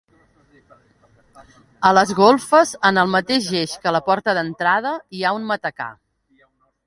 A les golfes, en el mateix eix que la porta d'entrada, hi ha un matacà.